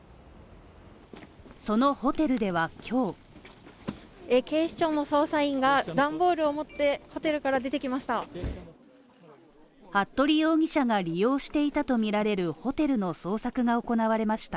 そのホテルでは今日警視庁の捜査員が段ボールを持ってホテルから出てきました。